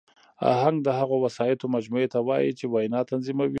آهنګ د هغو وسایطو مجموعې ته وایي، چي وینا تنظیموي.